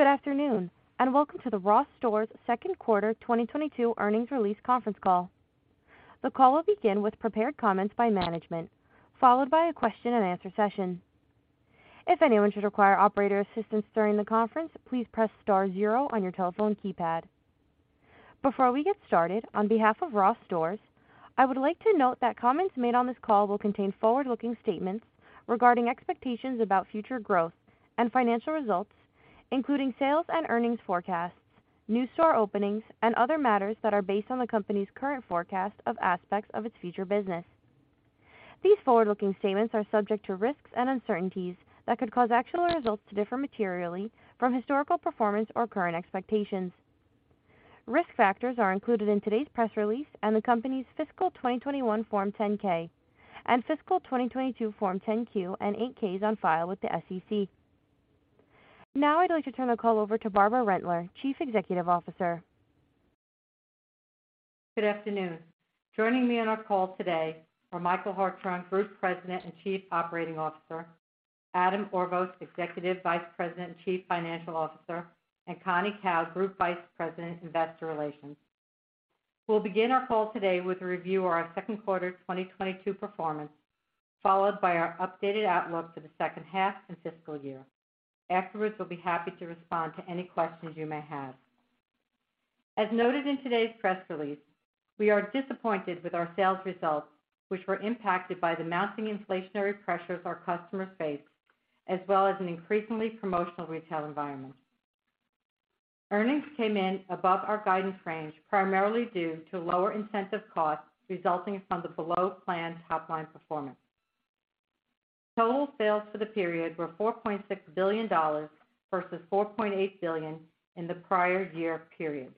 Good afternoon, and welcome to the Ross Stores second quarter 2022 earnings release conference call. The call will begin with prepared comments by management, followed by a question and answer session. If anyone should require operator assistance during the conference, please press star zero on your telephone keypad. Before we get started, on behalf of Ross Stores, I would like to note that comments made on this call will contain forward-looking statements regarding expectations about future growth and financial results, including sales and earnings forecasts, new store openings, and other matters that are based on the company's current forecast of aspects of its future business. These forward-looking statements are subject to risks and uncertainties that could cause actual results to differ materially from historical performance or current expectations. Risk factors are included in today's press release and the company's fiscal 2021 Form 10-K and fiscal 2022 Form 10-Q and 8-Ks on file with the SEC. Now I'd like to turn the call over to Barbara Rentler, Chief Executive Officer. Good afternoon. Joining me on our call today are Michael Hartshorn, Group President and Chief Operating Officer, Adam Orvos, Executive Vice President and Chief Financial Officer, and Connie Kao, Group Vice President, Investor Relations. We'll begin our call today with a review of our second quarter 2022 performance, followed by our updated outlook for the second half and fiscal year. Afterwards, we'll be happy to respond to any questions you may have. As noted in today's press release, we are disappointed with our sales results, which were impacted by the mounting inflationary pressures our customers face, as well as an increasingly promotional retail environment. Earnings came in above our guidance range, primarily due to lower incentive costs resulting from the below plan top line performance. Total sales for the period were $4.6 billion versus $4.8 billion in the prior year period.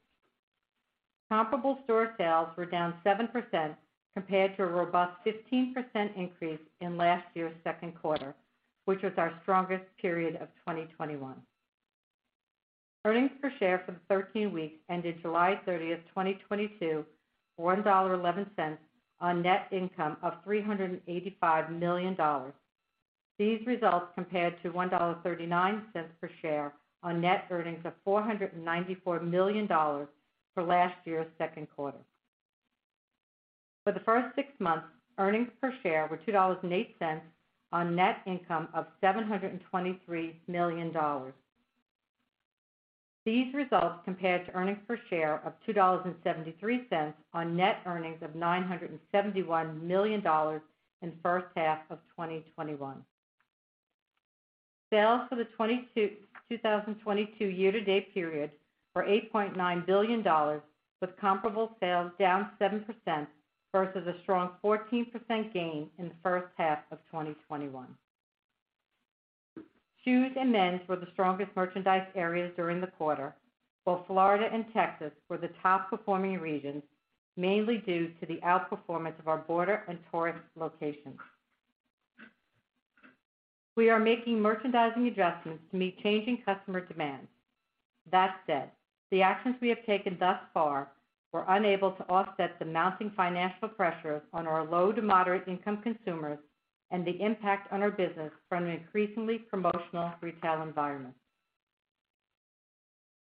Comparable store sales were down 7% compared to a robust 15% increase in last year's second quarter, which was our strongest period of 2021. Earnings per share for the 13 weeks ended July 30, 2022. $1.11 on net income of $385 million. These results compared to $1.39 per share on net earnings of $494 million for last year's second quarter. For the first six months, earnings per share were $2.08 on net income of $723 million. These results compared to earnings per share of $2.73 on net earnings of $971 million in the first half of 2021. Sales for the 2022 year to date period were $8.9 billion, with comparable sales down 7% versus a strong 14% gain in the first half of 2021. Shoes and men's were the strongest merchandise areas during the quarter. Both Florida and Texas were the top performing regions, mainly due to the outperformance of our border and tourist locations. We are making merchandising adjustments to meet changing customer demands. That said, the actions we have taken thus far were unable to offset the mounting financial pressures on our low to moderate income consumers and the impact on our business from an increasingly promotional retail environment.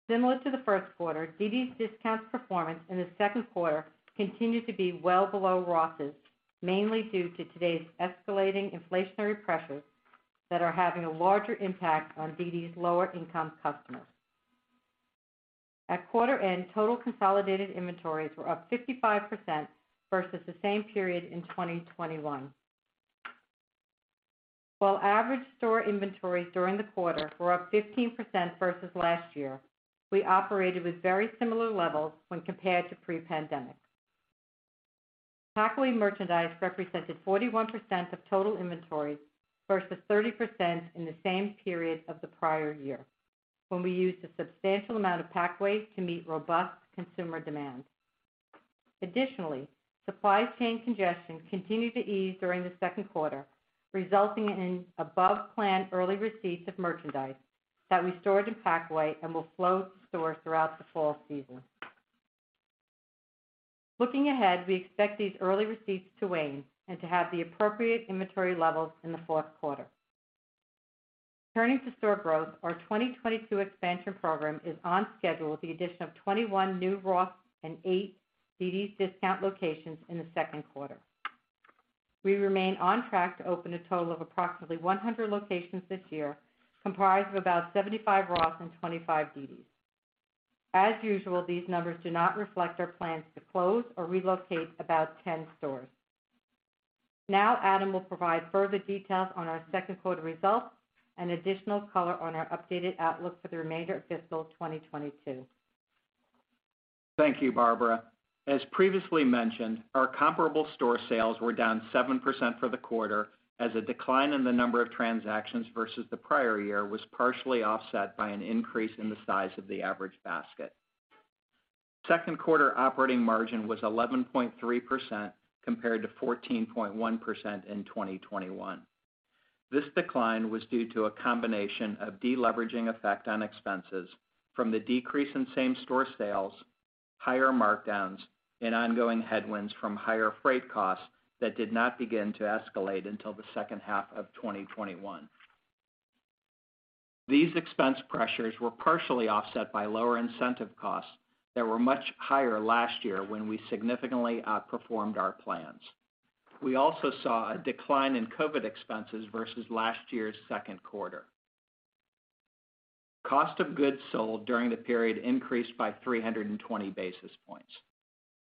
Similar to the first quarter, dd's DISCOUNTS performance in the second quarter continued to be well below Ross's, mainly due to today's escalating inflationary pressures that are having a larger impact on dd's lower income customers. At quarter end, total consolidated inventories were up 55% versus the same period in 2021. While average store inventories during the quarter were up 15% versus last year, we operated with very similar levels when compared to pre-pandemic. Packaway merchandise represented 41% of total inventories versus 30% in the same period of the prior year when we used a substantial amount of packaway to meet robust consumer demand. Additionally, supply chain congestion continued to ease during the second quarter, resulting in above plan early receipts of merchandise that we stored in packaway and will flow to store throughout the fall season. Looking ahead, we expect these early receipts to wane and to have the appropriate inventory levels in the fourth quarter. Turning to store growth, our 2022 expansion program is on schedule with the addition of 21 new Ross and 8 dd's DISCOUNTS locations in the second quarter. We remain on track to open a total of approximately 100 locations this year, comprised of about 75 Ross and 25 dd's DISCOUNTS. As usual, these numbers do not reflect our plans to close or relocate about 10 stores. Now Adam will provide further details on our second quarter results and additional color on our updated outlook for the remainder of fiscal 2022. Thank you, Barbara. As previously mentioned, our comparable store sales were down 7% for the quarter as a decline in the number of transactions versus the prior year was partially offset by an increase in the size of the average basket. Second quarter operating margin was 11.3% compared to 14.1% in 2021. This decline was due to a combination of deleveraging effect on expenses from the decrease in same store sales. Higher markdowns and ongoing headwinds from higher freight costs that did not begin to escalate until the second half of 2021. These expense pressures were partially offset by lower incentive costs that were much higher last year when we significantly outperformed our plans. We also saw a decline in COVID expenses versus last year's second quarter. Cost of goods sold during the period increased by 320 basis points.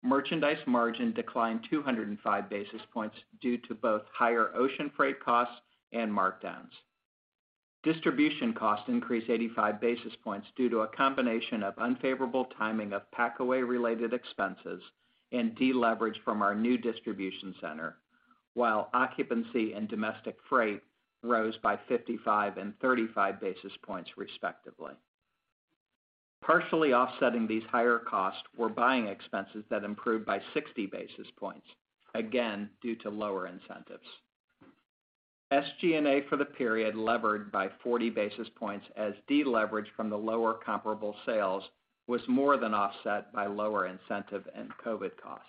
Merchandise margin declined 205 basis points due to both higher ocean freight costs and markdowns. Distribution costs increased 85 basis points due to a combination of unfavorable timing of packaway-related expenses and deleverage from our new distribution center, while occupancy and domestic freight rose by 55 and 35 basis points, respectively. Partially offsetting these higher costs were buying expenses that improved by 60 basis points, again, due to lower incentives. SG&A for the period levered by 40 basis points as deleverage from the lower comparable sales was more than offset by lower incentive and COVID costs.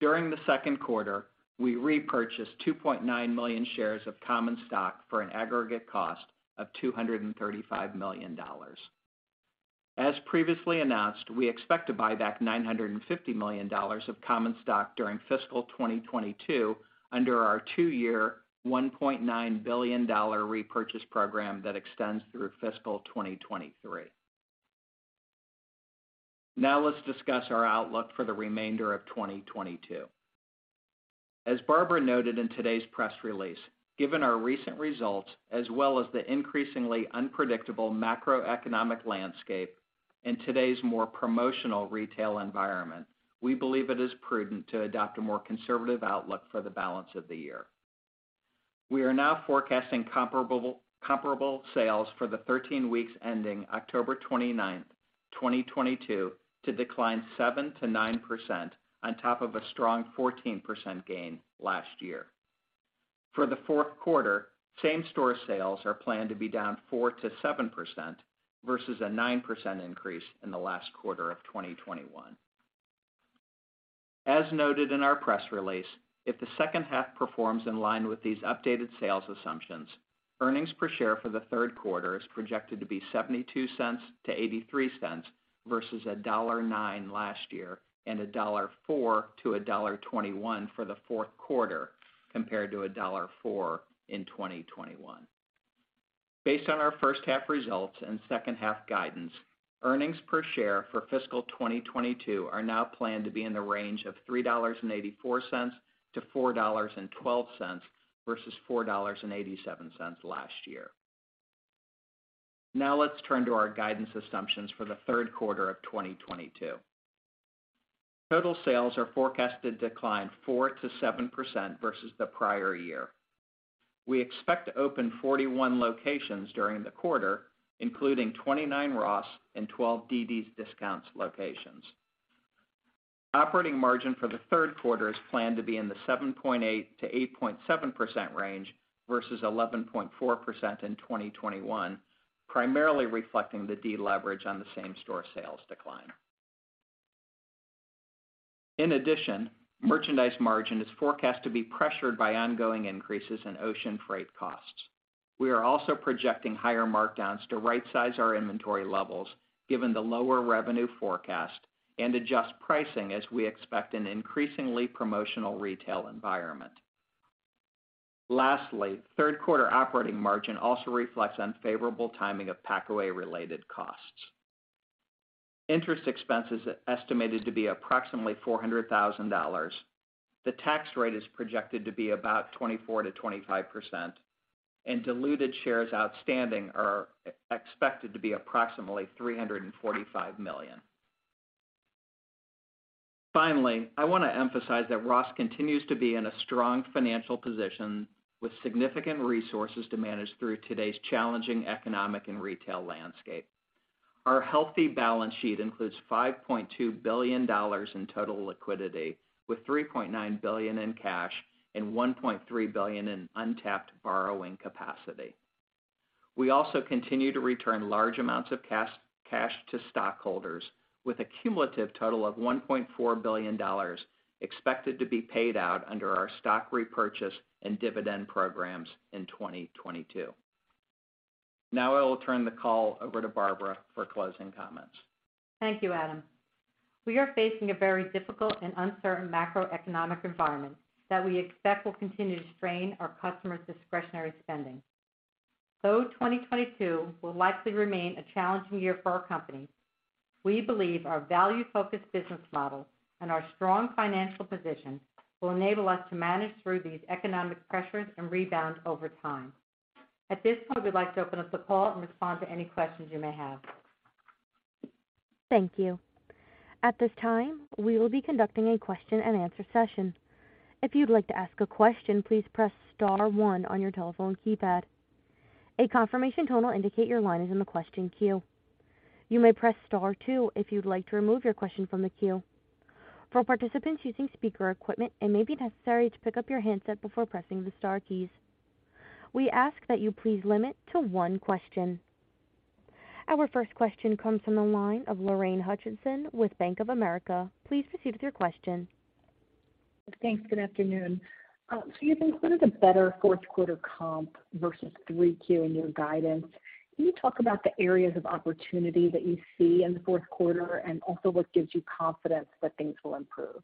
During the second quarter, we repurchased 2.9 million shares of common stock for an aggregate cost of $235 million. As previously announced, we expect to buy back $950 million of common stock during fiscal 2022 under our two-year $1.9 billion repurchase program that extends through fiscal 2023. Now let's discuss our outlook for the remainder of 2022. As Barbara noted in today's press release, given our recent results, as well as the increasingly unpredictable macroeconomic landscape and today's more promotional retail environment, we believe it is prudent to adopt a more conservative outlook for the balance of the year. We are now forecasting comparable sales for the thirteen weeks ending October 29th, 2022 to decline 7%-9% on top of a strong 14% gain last year. For the fourth quarter, same-store sales are planned to be down 4%-7% versus a 9% increase in the last quarter of 2021. As noted in our press release, if the second half performs in line with these updated sales assumptions, earnings per share for the third quarter is projected to be $0.72-$0.83 versus $1.09 last year and $1.04-$1.21 for the fourth quarter, compared to $1.04 in 2021. Based on our first half results and second half guidance, earnings per share for fiscal 2022 are now planned to be in the range of $3.84-$4.12 versus $4.87 last year. Now let's turn to our guidance assumptions for the third quarter of 2022. Total sales are forecasted to decline 4%-7% versus the prior year. We expect to open 41 locations during the quarter, including 29 Ross and 12 dd's DISCOUNTS locations. Operating margin for the third quarter is planned to be in the 7.8%-8.7% range versus 11.4% in 2021, primarily reflecting the deleverage on the same-store sales decline. In addition, merchandise margin is forecast to be pressured by ongoing increases in ocean freight costs. We are also projecting higher markdowns to right size our inventory levels given the lower revenue forecast and adjust pricing as we expect an increasingly promotional retail environment. Lastly, third quarter operating margin also reflects unfavorable timing of pack away related costs. Interest expense is estimated to be approximately $400,000. The tax rate is projected to be about 24%-25%, and diluted shares outstanding are expected to be approximately 345 million. Finally, I want to emphasize that Ross continues to be in a strong financial position with significant resources to manage through today's challenging economic and retail landscape. Our healthy balance sheet includes $5.2 billion in total liquidity with $3.9 billion in cash and $1.3 billion in untapped borrowing capacity. We also continue to return large amounts of cash to stockholders with a cumulative total of $1.4 billion expected to be paid out under our stock repurchase and dividend programs in 2022. Now I will turn the call over to Barbara for closing comments. Thank you, Adam. We are facing a very difficult and uncertain macroeconomic environment that we expect will continue to strain our customers' discretionary spending. Though 2022 will likely remain a challenging year for our company, we believe our value-focused business model and our strong financial position will enable us to manage through these economic pressures and rebound over time. At this point, we'd like to open up the call and respond to any questions you may have. Thank you. At this time, we will be conducting a question and answer session. If you'd like to ask a question, please press star one on your telephone keypad. A confirmation tone will indicate your line is in the question queue. You may press star two if you'd like to remove your question from the queue. For participants using speaker equipment, it may be necessary to pick up your handset before pressing the star keys. We ask that you please limit to one question. Our first question comes from the line of Lorraine Hutchinson with Bank of America. Please proceed with your question. Thanks. Good afternoon. You've included a better fourth quarter comp versus 3Q in your guidance. Can you talk about the areas of opportunity that you see in the fourth quarter and also what gives you confidence that things will improve?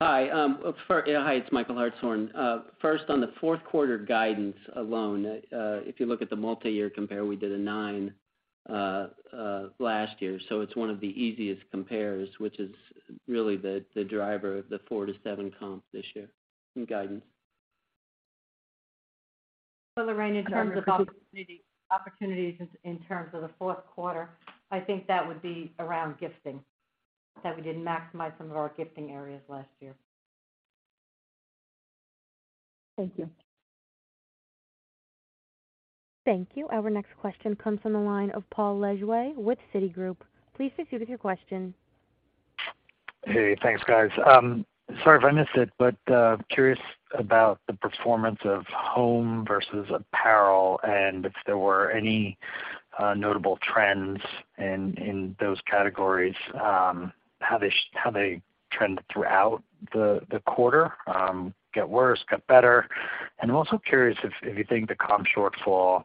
Hi, it's Michael Hartshorn. First, on the fourth quarter guidance alone, if you look at the multiyear compare, we did a 9% last year. It's one of the easiest compares, which is really the driver of the 4%-7% comps this year in guidance. Lorraine, in terms of opportunities in the fourth quarter, I think that would be around gifting that we didn't maximize some of our gifting areas last year. Thank you. Thank you. Our next question comes from the line of Paul Lejuez with Citigroup. Please proceed with your question. Hey, thanks, guys. Sorry if I missed it, but curious about the performance of home versus apparel and if there were any notable trends in those categories, how they trended throughout the quarter, get worse, get better. I'm also curious if you think the comp shortfall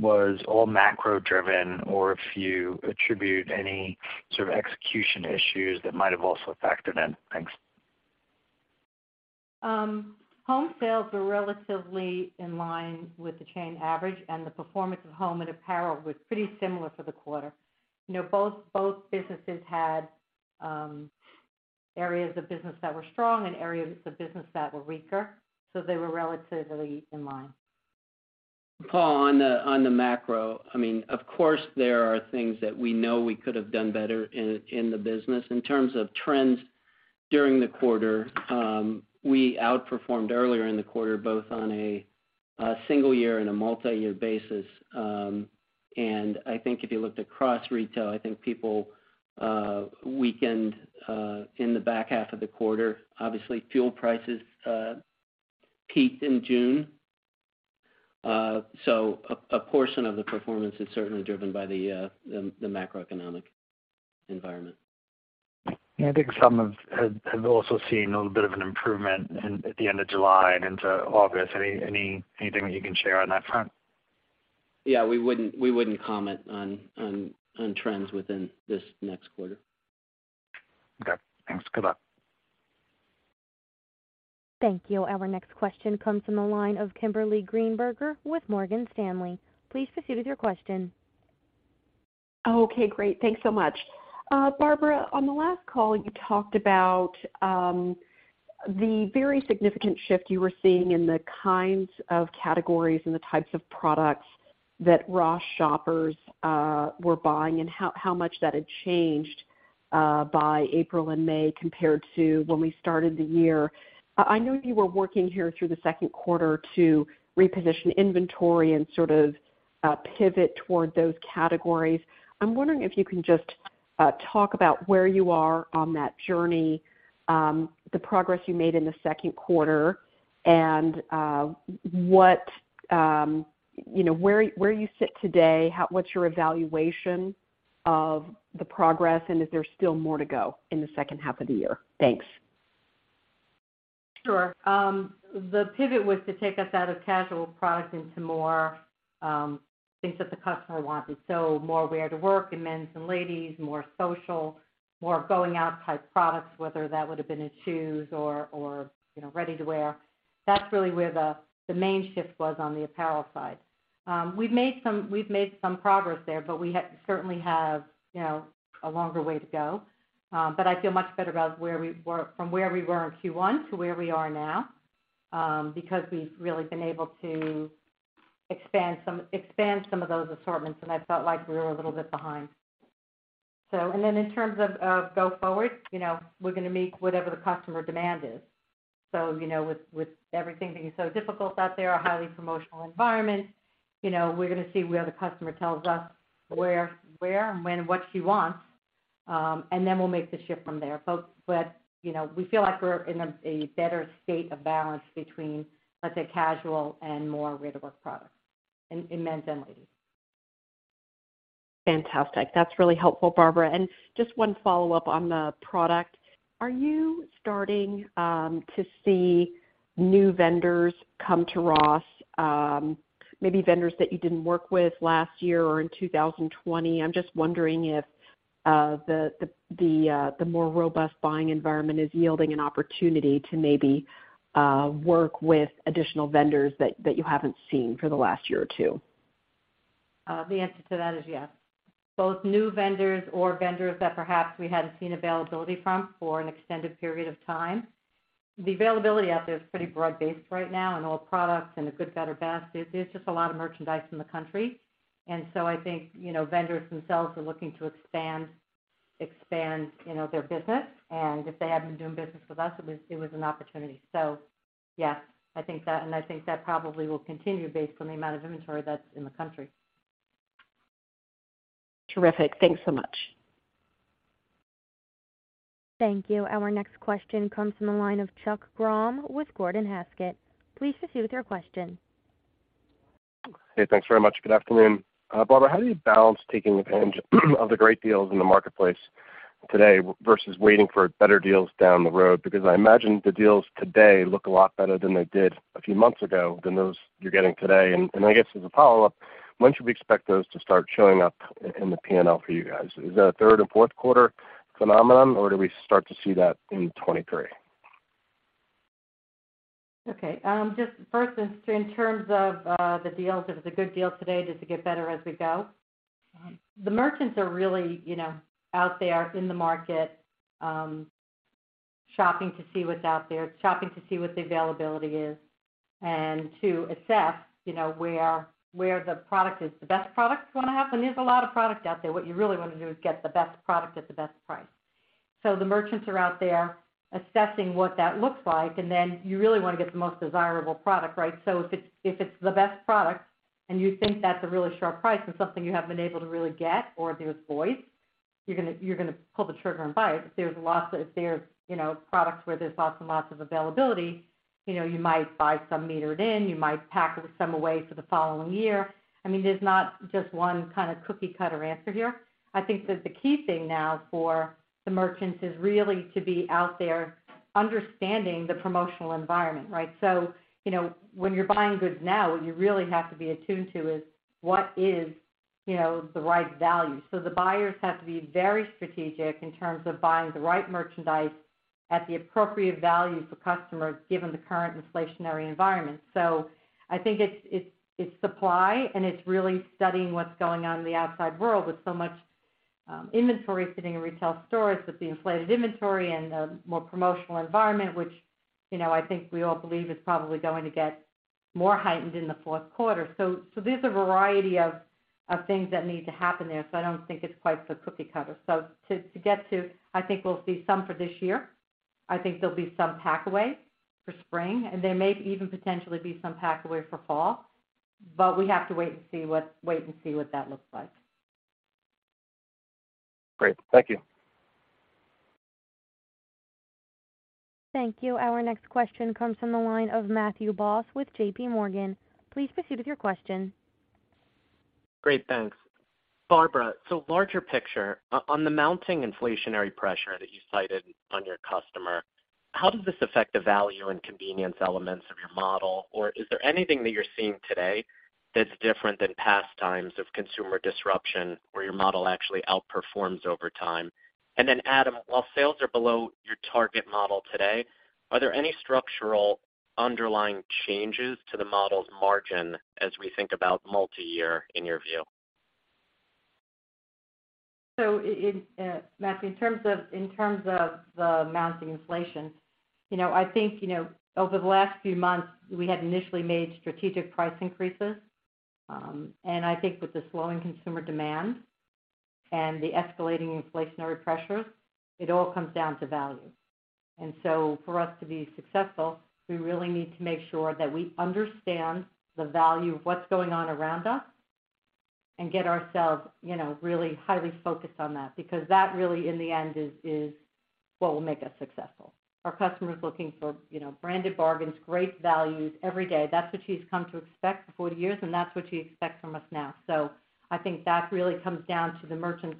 was all macro driven or if you attribute any execution issues that might have also factored in. Thanks. Home sales were relatively in line with the chain average, and the performance of home and apparel was pretty similar for the quarter. Both businesses had areas of business that were strong and areas of business that were weaker, so they were relatively in line. Paul, on the macro, of course, there are things that we know we could have done better in the business. In terms of trends during the quarter, we outperformed earlier in the quarter, both on a single year and a multiyear basis. I think if you looked across retail, I think peers weakened in the back half of the quarter. Obviously, fuel prices peaked in June. A portion of the performance is certainly driven by the macroeconomic environment. I think some have also seen a little bit of an improvement in at the end of July and into August. Anything that you can share on that front? Yeah. We wouldn't comment on trends within this next quarter. Okay. Thanks. Good luck. Thank you. Our next question comes from the line of Kimberly Greenberger with Morgan Stanley. Please proceed with your question. Okay, great. Thanks so much. Barbara, on the last call, you talked about the very significant shift you were seeing in the kinds of categories and the types of products that Ross shoppers were buying and how much that had changed by April and May compared to when we started the year. I know you were working here through the second quarter to reposition inventory and pivot toward those categories. I'm wondering if you can just talk about where you are on that journey, the progress you made in the second quarter and what you know where you sit today, what's your evaluation of the progress and is there still more to go in the second half of the year? Thanks. Sure. The pivot was to take us out of casual products into more things that the customer wanted. More wear to work in men's and ladies, more social, more going out type products, whether that would have been in shoes or ready to wear. That's really where the main shift was on the apparel side. We've made some progress there, but certainly have a longer way to go. I feel much better about from where we were in Q1 to where we are now, because we've really been able to expand some of those assortments, and I felt like we were a little bit behind. In terms of go forward we're gonna meet whatever the customer demand is. With everything being so difficult out there, a highly promotional environment we're gonna see where the customer tells us where and when, what she wants, and then we'll make the shift from there. We feel like we're in a better state of balance between, let's say, casual and more ready-to-wear products in men's and ladies. Fantastic. That's really helpful, Barbara. Just one follow-up on the product. Are you starting to see new vendors come to Ross, maybe vendors that you didn't work with last year or in 2020? I'm just wondering if the more robust buying environment is yielding an opportunity to maybe work with additional vendors that you haven't seen for the last year or two. The answer to that is yes. Both new vendors or vendors that perhaps we hadn't seen availability from for an extended period of time. The availability out there is pretty broad-based right now in all products, in the good, better, best. There's just a lot of merchandise in the country. I think vendors themselves are looking to expand their business. And if they hadn't been doing business with us, it was an opportunity. Yeah, I think that probably will continue based on the amount of inventory that's in the country. Terrific. Thanks so much. Thank you. Our next question comes from the line of Chuck Grom with Gordon Haskett. Please proceed with your question. Thanks very much. Good afternoon. Barbara, how do you balance taking advantage of the great deals in the marketplace today versus waiting for better deals down the road? Because I imagine the deals today look a lot better than they did a few months ago than those you're getting today. As a follow-up, when should we expect those to start showing up in the P&L for you guys? Is that a third and fourth quarter phenomenon, or do we start to see that in 2023? Okay. Just first in terms of the deals, if it's a good deal today, does it get better as we go? The merchants are really out there in the market, shopping to see what's out there, shopping to see what the availability is and to assess where the product is. The best products wanna happen. There's a lot of product out there. What you really wanna do is get the best product at the best price. The merchants are out there assessing what that looks like, and then you really wanna get the most desirable product. If it's the best product and you think that's a really sharp price and something you haven't been able to really get or there's voice, you're gonna pull the trigger and buy it. If there's lots of. If there's products where there's lots and lots of availability you might buy some metered in, you might pack some away for the following year. There's not just one kind of cookie cutter answer here. I think that the key thing now for the merchants is really to be out there understanding the promotional environment. So, when you're buying goods now, what you really have to be attuned to is what is the right value. So the buyers have to be very strategic in terms of buying the right merchandise at the appropriate value for customers given the current inflationary environment. I think it's supply and it's really studying what's going on in the outside world with so much inventory sitting in retail stores with the inflated inventory and the more promotional environment, which I think we all believe is probably going to get more heightened in the fourth quarter. There's a variety of things that need to happen there. I don't think it's quite the cookie cutter. To get to I think we'll see some for this year. I think there'll be some pack away for spring, and there may even potentially be some pack away for fall, but we have to wait and see what that looks like. Great. Thank you. Thank you. Our next question comes from the line of Matthew Boss with J.P. Morgan. Please proceed with your question. Great, thanks. Barbara, larger picture, on the mounting inflationary pressure that you cited on your customer, how does this affect the value and convenience elements of your model? Or is there anything that you're seeing today that's different than past times of consumer disruption where your model actually outperforms over time? And then Adam, while sales are below your target model today, are there any structural underlying changes to the model's margin as we think about multi-year in your view? Matthew, in terms of the mounting inflation, I think over the last few months, we had initially made strategic price increases. I think with the slowing consumer demand and the escalating inflationary pressure, it all comes down to value. For us to be successful, we really need to make sure that we understand the value of what's going on around us and get ourselves really highly focused on that because that really in the end is what will make us successful. Our customers looking for branded bargains, great values every day. That's what she's come to expect for 40 years, and that's what she expects from us now. I think that really comes down to the merchants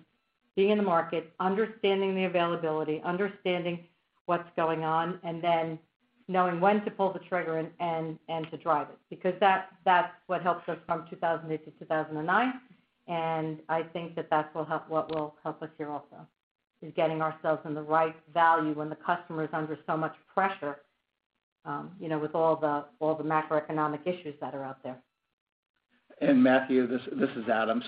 being in the market, understanding the availability, understanding what's going on, and then knowing when to pull the trigger and to drive it because that's what helps us from 2008 to 2009. I think that what will help us here also is getting ourselves in the right value when the customer is under so much pressure with all the macroeconomic issues that are out there. Matthew, this is Adam.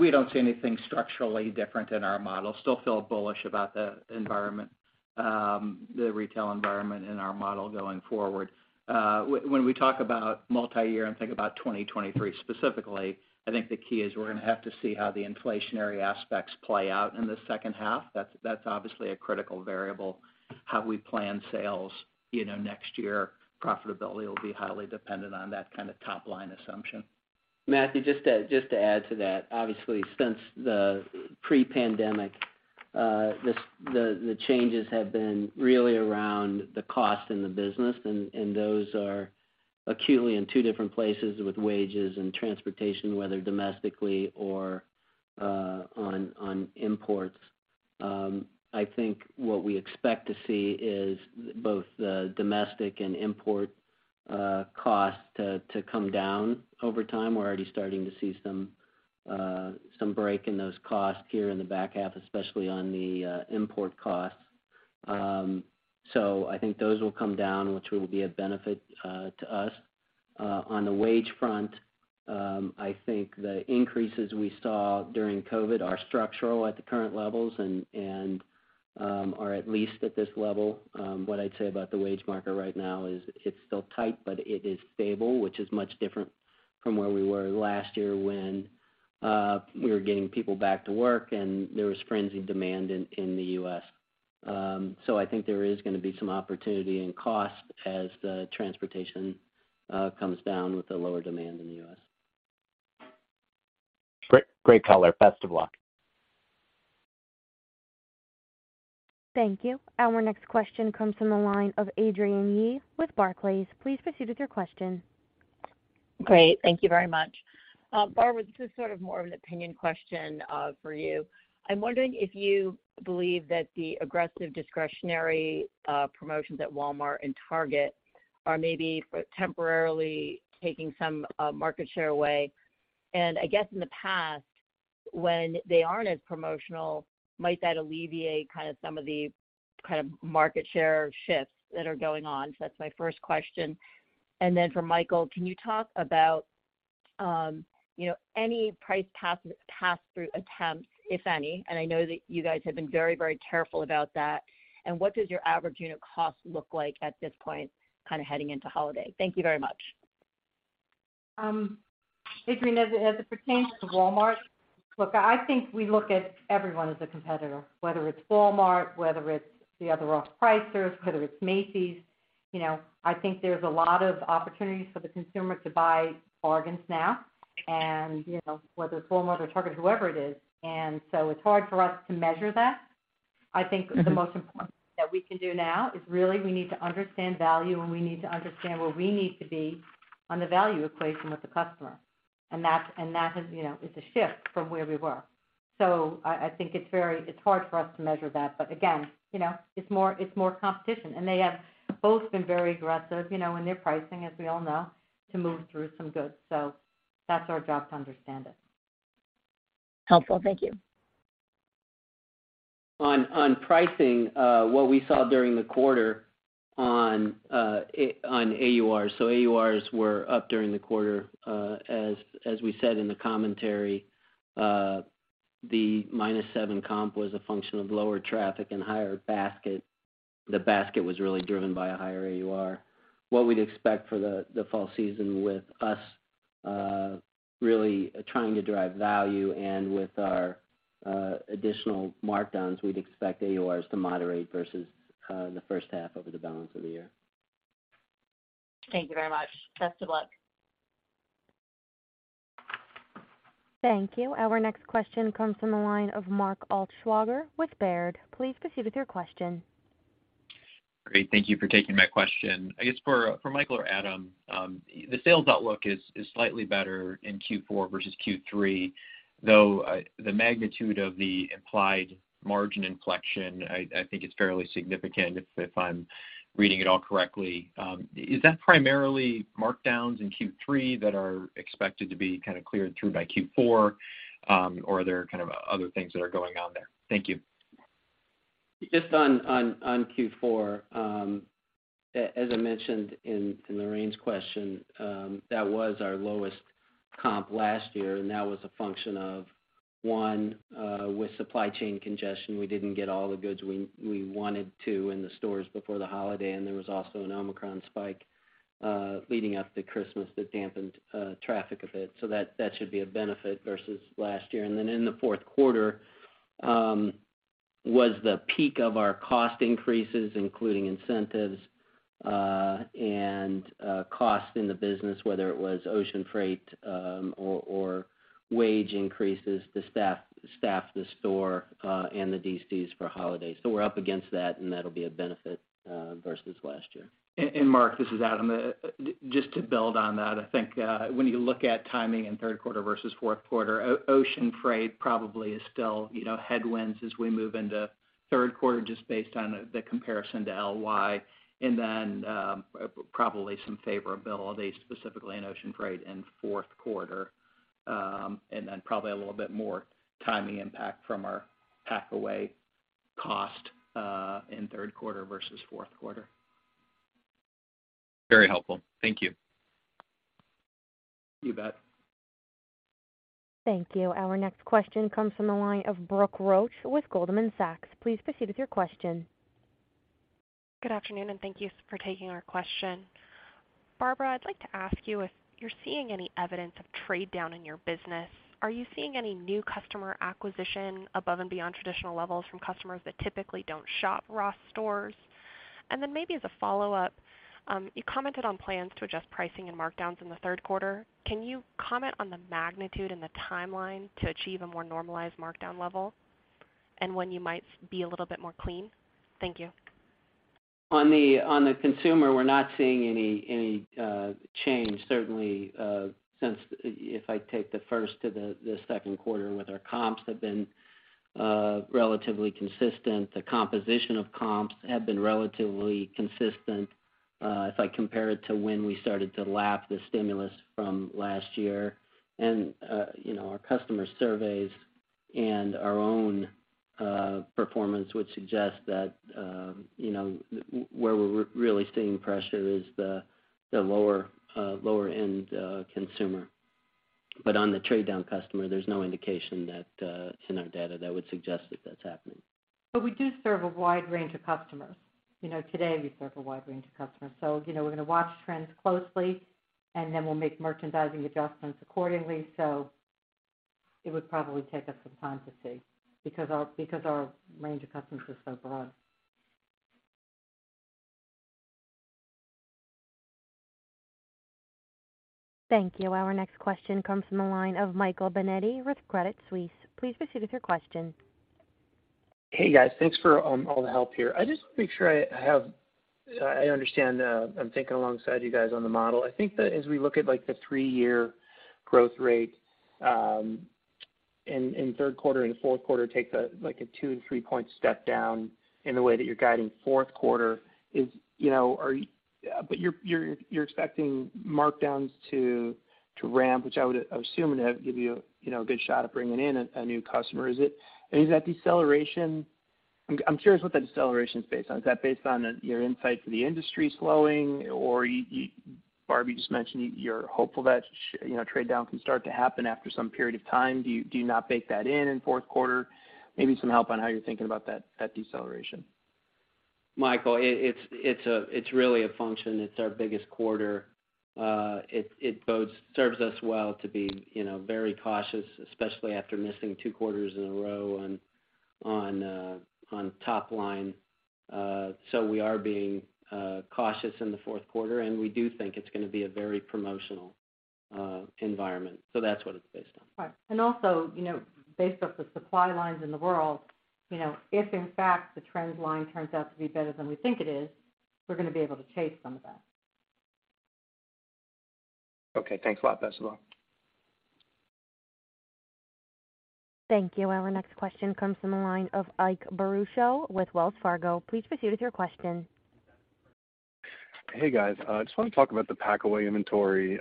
We don't see anything structurally different in our model. Still feel bullish about the environment, the retail environment and our model going forward. When we talk about multi-year and think about 2023 specifically, I think the key is we're gonna have to see how the inflationary aspects play out in the second half. That's obviously a critical variable. How we plan sales next year profitability will be highly dependent on that kind of top line assumption. Matthew, just to add to that, obviously since the pre-pandemic, the changes have been really around the cost in the business, and those are acutely in two different places with wages and transportation, whether domestically or on imports. I think what we expect to see is both the domestic and import costs to come down over time. We're already starting to see some break in those costs here in the back half, especially on the import costs. I think those will come down, which will be of benefit to us. On the wage front, I think the increases we saw during COVID are structural at the current levels and are at least at this level. What I'd say about the wage market right now is it's still tight, but it is stable, which is much different from where we were last year when we were getting people back to work and there was frenzied demand in the U.S. I think there is gonna be some opportunity in cost as the transportation comes down with the lower demand in the U.S. Great, great color. Best of luck. Thank you. Our next question comes from the line of Adrienne Yih with Barclays. Please proceed with your question. Great. Thank you very much. Barbara, this is more of an opinion question for you. I'm wondering if you believe that the aggressive discretionary promotions at Walmart and Target are maybe temporarily taking some market share away. In the past when they aren't as promotional, might that alleviate kind of some of the market share shifts that are going on? That's my first question. Then for Michael, can you talk about any price pass-through attempts, if any? I know that you guys have been very, very careful about that. What does your average unit cost look like at this point heading into holiday? Thank you very much. Adrienne, as it pertains to Walmart, look, I think we look at everyone as a competitor, whether it's Walmart, whether it's the other off-pricers, whether it's Macy's. I think there's a lot of opportunities for the consumer to buy bargains now and whether it's Walmart or Target, whoever it is. It's hard for us to measure that. I think the most important that we can do now is really we need to understand value, and we need to understand where we need to be on the value equation with the customer. That is a shift from where we were. I think it's very hard for us to measure that. But again it's more competition. They have both been very aggressive in their pricing, as we all know, to move through some goods. That's our job to understand it. Helpful. Thank you. On pricing, what we saw during the quarter on AURs, so AURs were up during the quarter. As we said in the commentary, the -7% comp was a function of lower traffic and higher basket. The basket was really driven by a higher AUR. What we'd expect for the fall season with us really trying to drive value and with our additional markdowns, we'd expect AURs to moderate versus the first half over the balance of the year. Thank you very much. Best of luck. Thank you. Our next question comes from the line of Mark Altschwager with Baird. Please proceed with your question. Great. Thank you for taking my question. I guess for Michael or Adam, the sales outlook is slightly better in Q4 versus Q3, though the magnitude of the implied margin inflection, I think it's fairly significant if I'm reading it all correctly. Is that primarily markdowns in Q3 that are expected to be cleared through by Q4? Or are there other things that are going on there? Thank you. Just on Q4, as I mentioned in Lorraine's question, that was our lowest comp last year, and that was a function of one, with supply chain congestion, we didn't get all the goods we wanted to in the stores before the holiday, and there was also an Omicron spike leading up to Christmas that dampened traffic a bit. That should be a benefit versus last year. Then in the fourth quarter was the peak of our cost increases, including incentives and cost in the business, whether it was ocean freight or wage increases to staff the store and the DCs for holidays. We're up against that, and that'll be a benefit versus last year. Mark, this is Adam. Just to build on that, I think, when you look at timing in third quarter versus fourth quarter, ocean freight probably is still headwinds as we move into third quarter just based on the comparison to LY. Then, probably some favorability, specifically in ocean freight in fourth quarter, and then probably a little bit more timing impact from our packaway cost in third quarter versus fourth quarter. Very helpful. Thank you. You bet. Thank you. Our next question comes from the line of Brooke Roach with Goldman Sachs. Please proceed with your question. Good afternoon, and thank you for taking our question. Barbara, I'd like to ask you if you're seeing any evidence of trade down in your business. Are you seeing any new customer acquisition above and beyond traditional levels from customers that typically don't shop Ross Stores? Maybe as a follow-up, you commented on plans to adjust pricing and markdowns in the third quarter. Can you comment on the magnitude and the timeline to achieve a more normalized markdown level and when you might be a little bit more clean? Thank you. On the consumer, we're not seeing any change certainly since if I take the first to the second quarter with our comps have been relatively consistent. The composition of comps have been relatively consistent if I compare it to when we started to lap the stimulus from last year. Our customer surveys and our own performance would suggest that where we're really seeing pressure is the lower end consumer. On the trade down customer, there's no indication that it's in our data that would suggest that that's happening. We do serve a wide range of customers. Today, we serve a wide range of customers. We're gonna watch trends closely, and then we'll make merchandising adjustments accordingly. It would probably take us some time to see because our range of customers is so broad. Thank you. Our next question comes from the line of Michael Binetti with Credit Suisse. Please proceed with your question. Hey, guys. Thanks for all the help here. I just want to make sure I have I understand. I'm thinking alongside you guys on the model. I think that as we look at, like, the three-year growth rate, in third quarter and fourth quarter take like a two- and three-point step down in the way that you're guiding fourth quarter are. But you're expecting markdowns to ramp, which I assume that gives a good shot at bringing in a new customer. Is it. Is that deceleration. I'm curious what that deceleration is based on. Is that based on your insight to the industry slowing or you. Barb, you just mentioned you're hopeful that trade down can start to happen after some period of time. Do you not bake that in fourth quarter? Maybe some help on how you're thinking about that deceleration. Michael, it's really a function. It's our biggest quarter. It both serves us well to be very cautious, especially after missing two quarters in a row on top line. So we are being cautious in the fourth quarter, and we do think it's gonna be a very promotional environment. That's what it's based on. Right. Also, based off the supply lines in the world if in fact the trend line turns out to be better than we think it is, we're gonna be able to chase some of that. Okay, thanks a lot, guys. Thank you. Our next question comes from the line of Ike Boruchow with Wells Fargo. Please proceed with your question. Hey, guys. I just wanna talk about the packaway inventory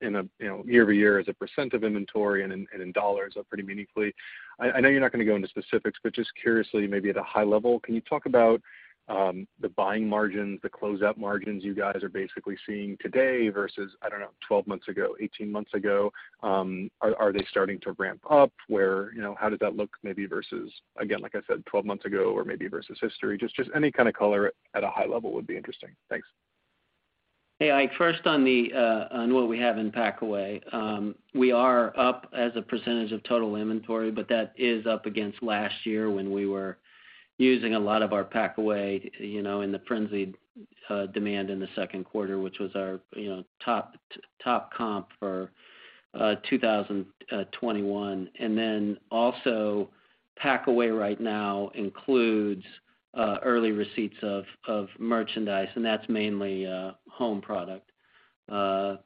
year-over-year as a % of inventory and in dollars up pretty meaningfully. I know you're not gonna go into specifics, but just curiously, maybe at a high level, can you talk about the buying margins, the closeout margins you guys are basically seeing today versus, I don't know, 12 months ago, 18 months ago? Are they starting to ramp up? How does that look maybe versus, again, like I said, 12 months ago or maybe versus history? Just any kind of color at a high level would be interesting. Thanks. Hey, Ike Boruchow. First on what we have in pack away. We are up as a percentage of total inventory, but that is up against last year when we were using a lot of our pack away in the frenzied demand in the second quarter, which was our top comp for 2021. Pack away right now includes early receipts of merchandise, and that's mainly home product. What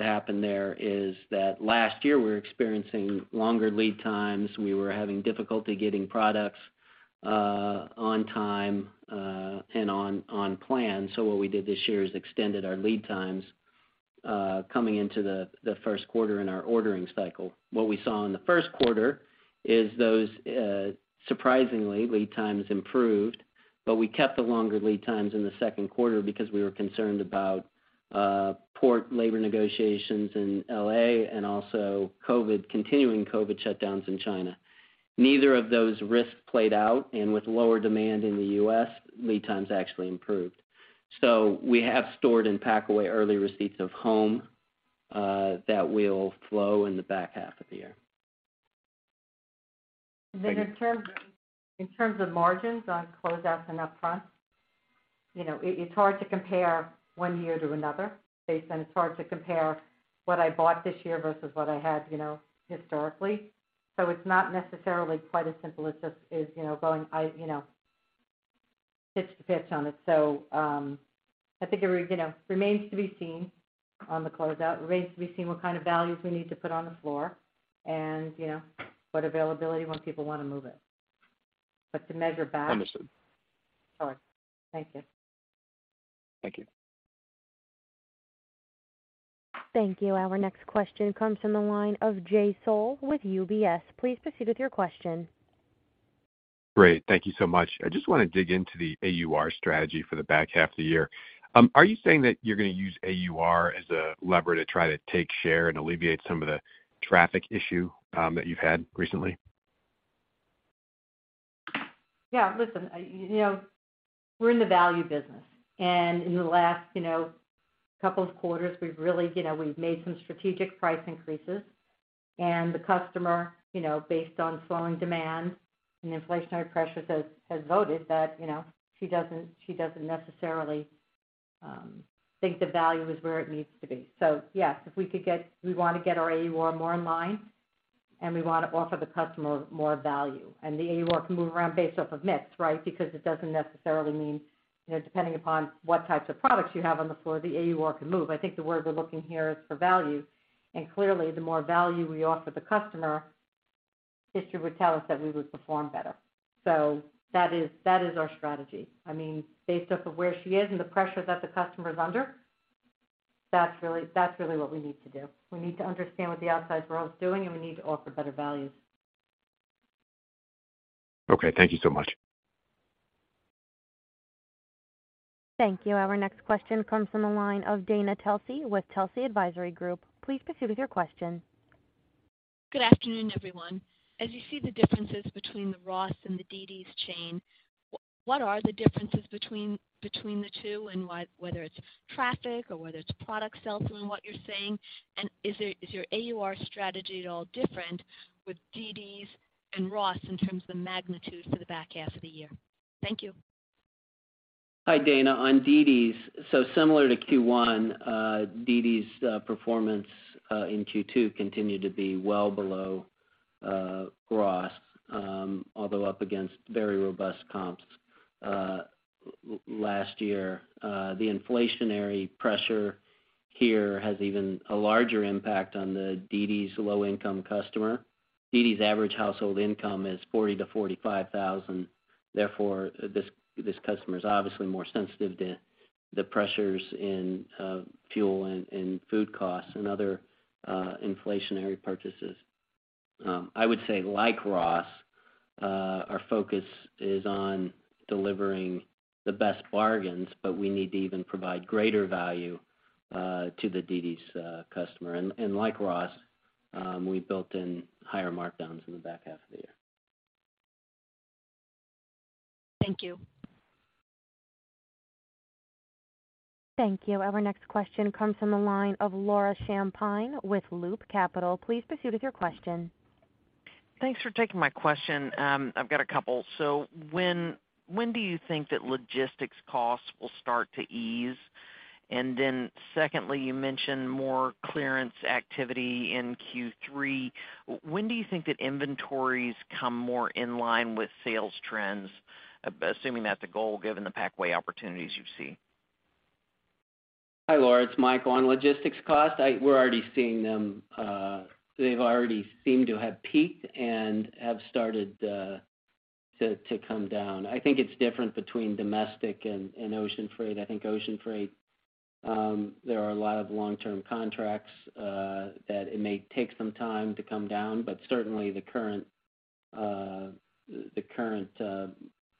happened there is that last year we were experiencing longer lead times. We were having difficulty getting products on time and on plan. What we did this year is extended our lead times coming into the first quarter in our ordering cycle. What we saw in the first quarter is those, surprisingly, lead times improved, but we kept the longer lead times in the second quarter because we were concerned about port labor negotiations in L.A. and also continuing COVID shutdowns in China. Neither of those risks played out, and with lower demand in the U.S., lead times actually improved. We have stored packaway early receipts of home that will flow in the back half of the year. In terms of margins on closeouts and upfront it's hard to compare one year to another based on what I bought this year versus what I had historically. It's not necessarily quite as simple as going pitch to pitch on it. I think it remains to be seen on the closeout. Remains to be seen what kind of values we need to put on the floor and what availability when people wanna move it. To measure back- Understood. All right. Thank you. Thank you. Thank you. Our next question comes from the line of Jay Sole with UBS. Please proceed with your question. Great. Thank you so much. I just wanna dig into the AUR strategy for the back half of the year. Are you saying that you're gonna use AUR as a lever to try to take share and alleviate some of the traffic issue, that you've had recently? Yeah. Listen, we're in the value business, and in the last couple of quarters, we've really we've made some strategic price increases. The customer based on slowing demand and inflationary pressures has voted that she doesn't necessarily think the value is where it needs to be. Yes, we wanna get our AUR more in line, and we wanna offer the customer more value. The AUR can move around based off of mixes. Because it doesn't necessarily mean. Depending upon what types of products you have on the floor, the AUR can move. I think the word we're looking for here is value. Clearly, the more value we offer the customer, history would tell us that we would perform better. That is our strategy. Based off of where she is and the pressure that the customer is under, that's really what we need to do. We need to understand what the outside world is doing, and we need to offer better values. Okay, thank you so much. Thank you. Our next question comes from the line of Dana Telsey with Telsey Advisory Group. Please proceed with your question. Good afternoon, everyone. As you see the differences between the Ross and the dd's chain, what are the differences between the two and why—whether it's traffic or whether it's product sales from what you're saying, and is your AUR strategy at all different with dd's and Ross in terms of the magnitude for the back half of the year? Thank you. Hi, Dana. On dd's, similar to Q1, dd's performance in Q2 continued to be well below Ross. Although up against very robust comps last year. The inflationary pressure here has even a larger impact on the dd's low-income customer. dd's average household income is $40,000-$45,000. Therefore, this customer is obviously more sensitive to the pressures in fuel and food costs and other inflationary purchases. I would say like Ross, our focus is on delivering the best bargains, but we need to even provide greater value to the dd's customer. Like Ross, we built in higher markdowns in the back half of the year. Thank you. Thank you. Our next question comes from the line of Laura Champine with Loop Capital. Please proceed with your question. Thanks for taking my question. I've got a couple. When do you think that logistics costs will start to ease? Secondly, you mentioned more clearance activity in Q3. When do you think that inventories come more in line with sales trends, assuming that's a goal given the packaway opportunities you see? Hi, Laura Champine, it's Michael Hartshorn. On logistics costs, we're already seeing them. They've already seemed to have peaked and have started to come down. I think it's different between domestic and ocean freight. I think ocean freight, there are a lot of long-term contracts that it may take some time to come down, but certainly the current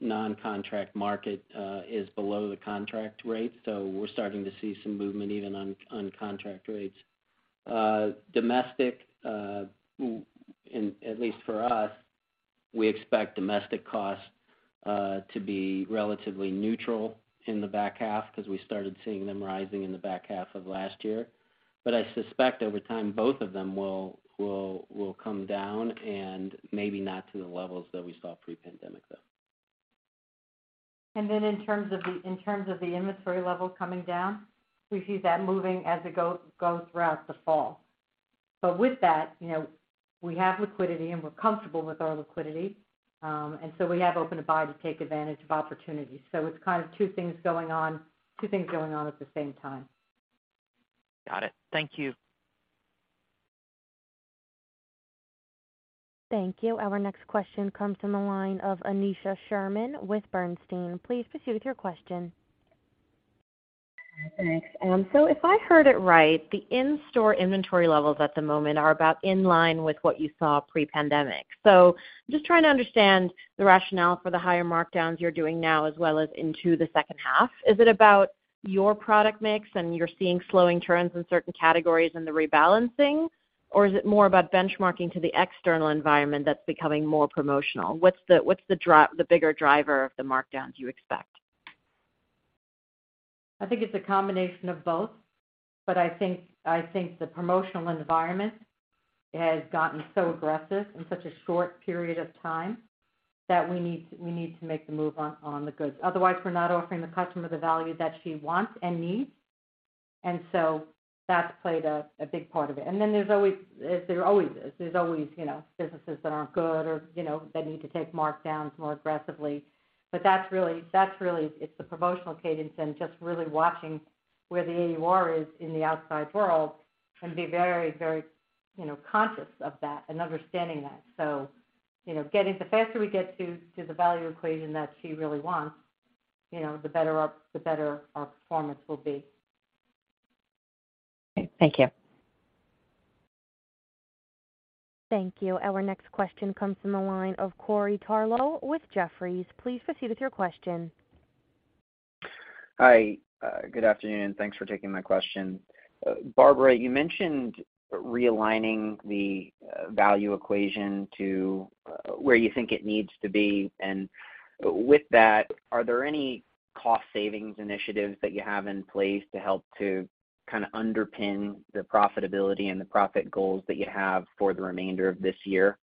non-contract market is below the contract rate. So we're starting to see some movement even on contract rates. Domestic and at least for us, we expect domestic costs to be relatively neutral in the back half 'cause we started seeing them rising in the back half of last year. I suspect over time, both of them will come down and maybe not to the levels that we saw pre-pandemic, though. In terms of the inventory level coming down, we see that moving as it go throughout the fall. With that we have liquidity, and we're comfortable with our liquidity. We have open to buy to take advantage of opportunities. It's kind of two things going on at the same time. Got it. Thank you. Thank you. Our next question comes from the line of Aneesha Sherman with Bernstein. Please proceed with your question. Thanks. If I heard it right, the in-store inventory levels at the moment are about in line with what you saw pre-pandemic. Just trying to understand the rationale for the higher markdowns you're doing now, as well as into the second half. Is it about your product mix and you're seeing slowing trends in certain categories and the rebalancing, or is it more about benchmarking to the external environment that's becoming more promotional? What's the bigger driver of the markdowns you expect? I think it's a combination of both, but I think the promotional environment has gotten so aggressive in such a short period of time that we need to make the move on the goods. Otherwise, we're not offering the customer the value that she wants and needs. That's played a big part of it. Then there's always businesses that aren't good or that need to take markdowns more aggressively. That's really it's the promotional cadence and just really watching where the AUR is in the outside world and be very conscious of that and understanding that. The faster we get to the value equation that she really wants the better our performance will be. Okay. Thank you. Thank you. Our next question comes from the line of Corey Tarlowe with Jefferies. Please proceed with your question. Hi, good afternoon. Thanks for taking my question. Barbara, you mentioned realigning the value equation to where you think it needs to be. With that, are there any cost savings initiatives that you have in place to help to kinda underpin the profitability and the profit goals that you have for the remainder of this year?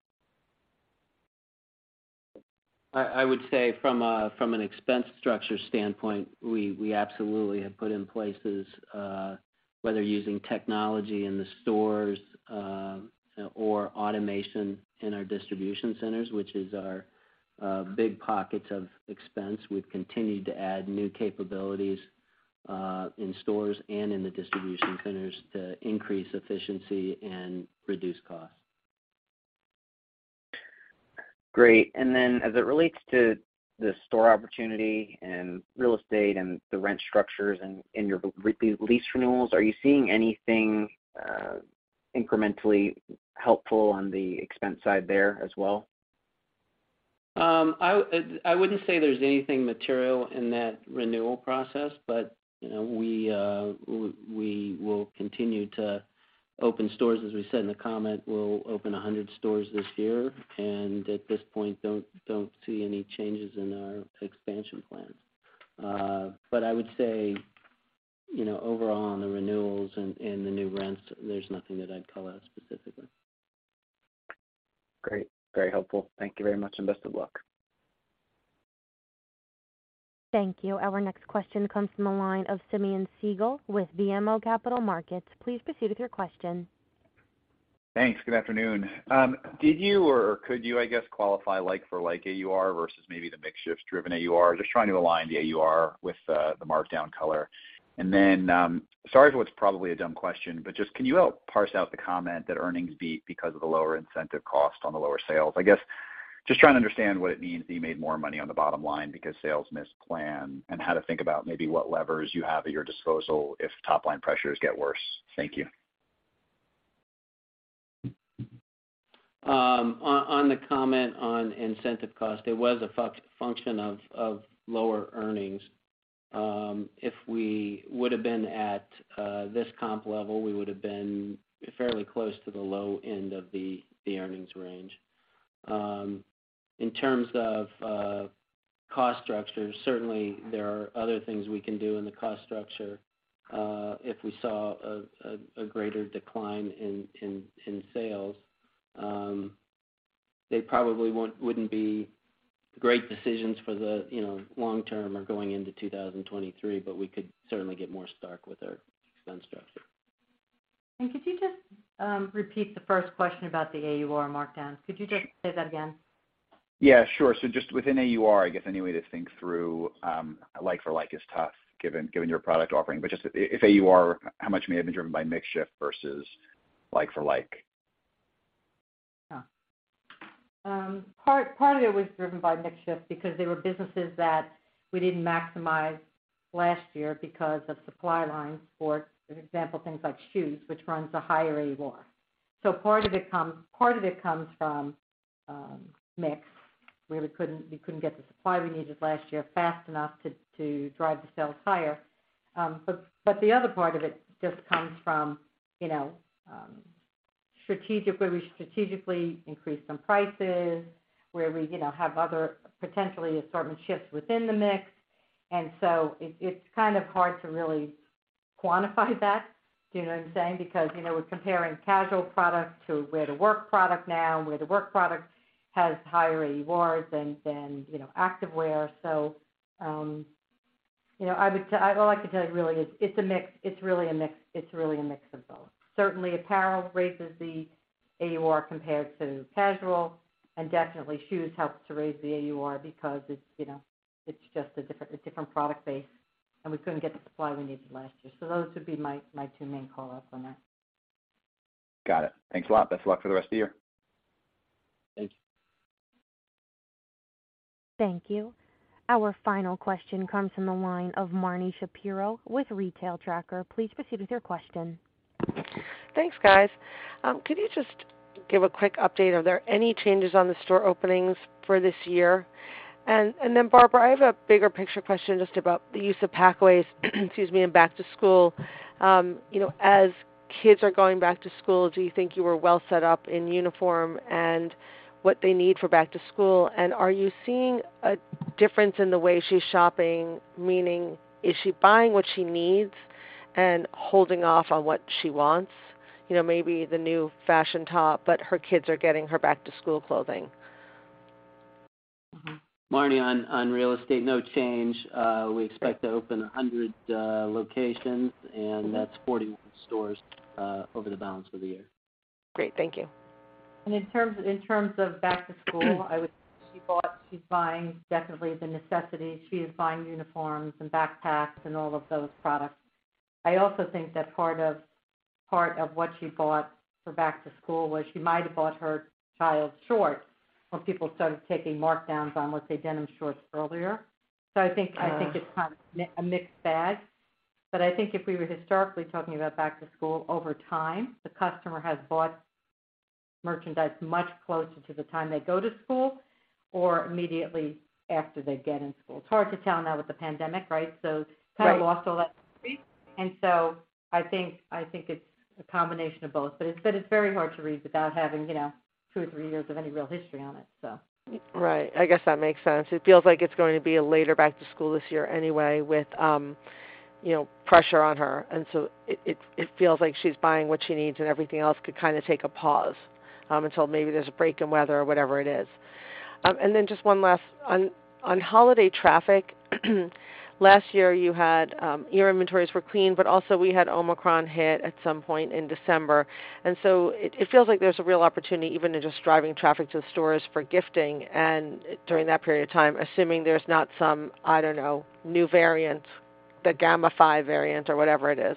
I would say from an expense structure standpoint, we absolutely have put in place whether using technology in the stores or automation in our distribution centers, which is our big pockets of expense. We've continued to add new capabilities in stores and in the distribution centers to increase efficiency and reduce costs. Great. Then as it relates to the store opportunity and real estate and the rent structures and your lease renewals, are you seeing anything incrementally helpful on the expense side there as well? I wouldn't say there's anything material in that renewal process, but we will continue to open stores. As we said in the comment, we'll open 100 stores this year, and at this point, don't see any changes in our expansion plans. But I would say overall on the renewals and the new rents, there's nothing that I'd call out specifically. Great. Very helpful. Thank you very much, and best of luck. Thank you. Our next question comes from the line of Simeon Siegel with BMO Capital Markets. Please proceed with your question. Thanks. Good afternoon. Did you or could you qualify like for like AUR versus maybe the mix shift-driven AUR? Just trying to align the AUR with the markdown dollar. Sorry for what's probably a dumb question, but just can you help parse out the comment that earnings beat because of the lower incentive cost on the lower sales? Just trying to understand what it means that you made more money on the bottom line because sales missed plan and how to think about maybe what levers you have at your disposal if top line pressures get worse. Thank you. On the comment on incentive cost, it was a function of lower earnings. If we would've been at this comp level, we would've been fairly close to the low end of the earnings range. In terms of cost structure, certainly there are other things we can do in the cost structure if we saw a greater decline in sales. They probably wouldn't be great decisions for the long term or going into 2023, but we could certainly get more stark with our expense structure. Could you just repeat the first question about the AUR markdowns? Could you just say that again? Yeah, sure. Just within AUR, any way to think through, like for like is tough given your product offering, but just if AUR, how much may have been driven by mix shift versus like for like. Yeah. Part of it was driven by mix shift because there were businesses that we didn't maximize last year because of supply lines for example, things like shoes, which runs a higher AUR. Part of it comes from mix, where we couldn't get the supply we needed last year fast enough to drive the sales higher. But the other part of it just comes from strategic where we strategically increased some prices, where we have other potentially assortment shifts within the mix. It's hard to really quantify that. Do you know what I'm saying? Because we're comparing casual product to wear-to-work product now, and wear-to-work product has higher AURs than activewear. All I can tell you really is it's really a mix of both. Certainly, apparel raises the AUR compared to casual, and definitely shoes helps to raise the AUR because it's just a different product base, and we couldn't get the supply we needed last year. Those would be my two main call-outs on that. Got it. Thanks a lot. Best of luck for the rest of the year. Thanks. Thank you. Our final question comes from the line of Marni Shapiro with The Retail Tracker. Please proceed with your question. Thanks, guys. Could you just give a quick update? Are there any changes on the store openings for this year? Then Barbara, I have a bigger picture question just about the use of packaways, excuse me, in back to school. As kids are going back to school, do you think you are well set up in uniform and what they need for back to school? Are you seeing a difference in the way she's shopping, meaning is she buying what she needs and holding off on what she wants? Maybe the new fashion top, but her kids are getting her back to school clothing. Marni, on real estate, no change. We expect to open 100 locations, and that's 40 stores over the balance of the year. Great. Thank you. In terms of back to school, I would say she bought, she's buying definitely the necessities. She is buying uniforms and backpacks and all of those products. I also think that part of what she bought for back to school was she might have bought her child shorts when people started taking markdowns on, let's say, denim shorts earlier. I think it's a mixed bag, but I think if we were historically talking about back to school over time, the customer has bought merchandise much closer to the time they go to school or immediately after they get in school. It's hard to tell now with the pandemic. Kind of lost all that history. I think it's a combination of both, but it's very hard to read without having two or three years of any real history on it, so. That makes sense. It feels like it's going to be a later back to school this year anyway with pressure on her. It feels like she's buying what she needs and everything else could kinda take a pause until maybe there's a break in weather or whatever it is. Just one last on holiday traffic. Last year you had your inventories were clean, but also we had Omicron hit at some point in December. It feels like there's a real opportunity even in just driving traffic to the stores for gifting and during that period of time, assuming there's not some, I don't know, new variant, the Gamma Five variant or whatever it is.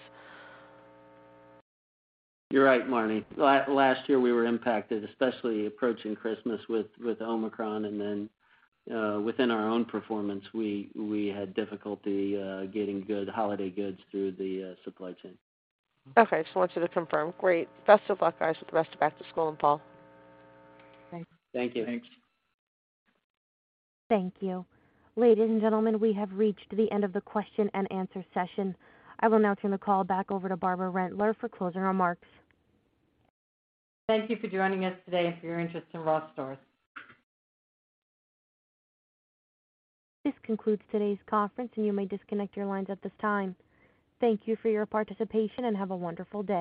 You're right, Marni. Last year we were impacted, especially approaching Christmas with Omicron, and then within our own performance, we had difficulty getting good holiday goods through the supply chain. Okay. Just wanted to confirm. Great. Best of luck, guys, with the rest of back to school and fall. Thanks. Thank you. Thanks. Thank you. Ladies and gentlemen, we have reached the end of the question and answer session. I will now turn the call back over to Barbara Rentler for closing remarks. Thank you for joining us today and for your interest in Ross Stores. This concludes today's conference, and you may disconnect your lines at this time. Thank you for your participation, and have a wonderful day.